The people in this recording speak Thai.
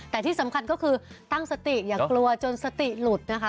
แต่ที่สำคัญก็คือตั้งสติอย่ากลัวจนสติหลุดนะคะ